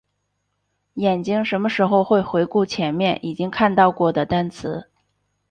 眼睛什么时候会回顾前面已经看到过的单词？